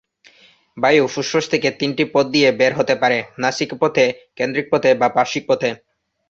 বায়ু ফুসফুস থেকে তিনটি পথ দিয়ে বের হতে পারে: নাসিক পথে, কেন্দ্রিক পথে, বা পার্শ্বিক পথে।